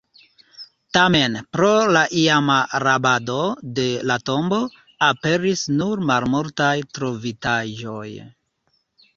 Tamen, pro la iama rabado de la tombo, aperis nur malmultaj trovitaĵoj.